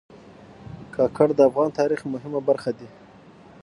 کاکړ د افغان تاریخ مهمه برخه دي.